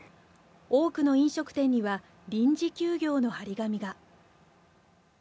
多くの飲食店には臨時休業の貼り紙が。